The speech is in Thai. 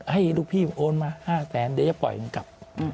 ให้ลูกพี่โอนมา๕แสนเดี๋ยวจะปล่อยมันกลับ